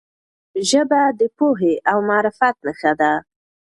ژبه د پوهې او معرفت نښه ده.